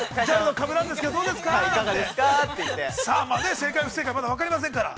◆正解、不正解まだ分かりませんから。